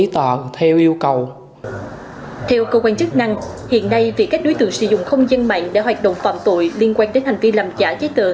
theo cơ quan chức năng hiện nay việc các đối tượng sử dụng không gian mạng để hoạt động phạm tội liên quan đến hành vi làm giả giấy tờ